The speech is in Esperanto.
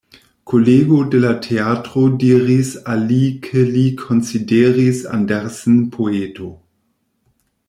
Kolego de la teatro diris al li ke li konsideris Andersen poeto.